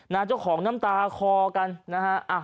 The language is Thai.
เจ้าของน้ำตาคอกันนะฮะ